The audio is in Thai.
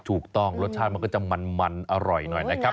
ถูกต้องรสชาติมันก็จะมันอร่อยหน่อยนะครับ